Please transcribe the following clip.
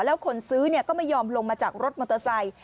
แล้วคนซื้อก็ไม่ยอมลงมาจากรถมอเตอร์ไซค์